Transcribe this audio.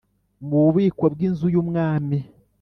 Mu Bubiko Bw Inzu Y Umwami